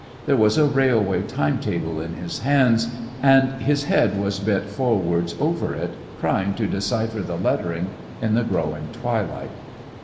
There was a railway time table in his hands, and his head was bent forwards over it, trying to decipher the lettering in the growing twilight.